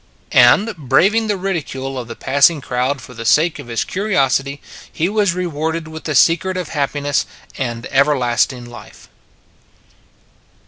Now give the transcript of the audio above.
And, braving the ridicule of the passing crowd for the sake of his curiosity, he was rewarded with the secret of happiness and everlasting life.